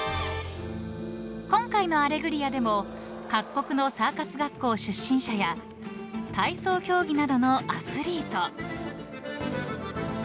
［今回の『アレグリア』でも各国のサーカス学校出身者や体操競技などのアスリート］